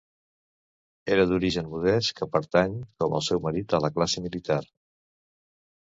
Era d'origen modest, que pertany, com el seu marit, a la classe militar.